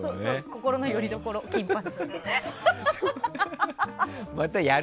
心のよりどころ、金髪。